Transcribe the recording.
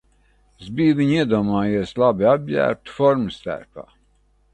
Es biju viņu iedomājies labi apģērbtu, formas tērpā.